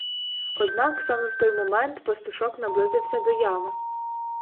Однак саме в той момент пастушок наблизився до ями.